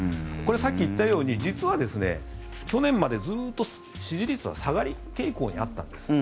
これはさっき言ったように実は去年までずっと支持率は下がり傾向にあったんです。